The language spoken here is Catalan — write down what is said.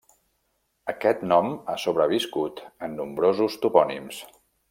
Aquest nom ha sobreviscut en nombrosos topònims.